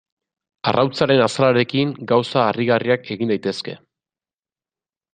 Arrautzaren azalarekin gauza harrigarriak egin daitezke.